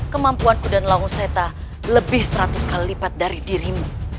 kemampuanku dan laoseta lebih seratus kali lipat dari dirimu